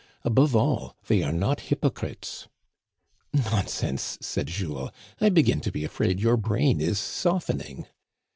Above all they are not hjrpocrites." *' Nonsense," said Jules, "I begin to be afraid your brain is softening."